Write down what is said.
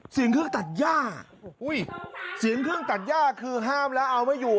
เสียงเครื่องตัดย่าเสียงเครื่องตัดย่าคือห้ามแล้วเอาไม่อยู่